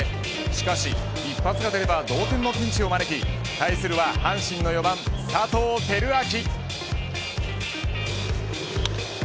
しかし、一発が出れば同点のピンチを招き対するは阪神の４番佐藤輝明。